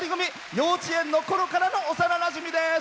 幼稚園のころからの幼なじみです。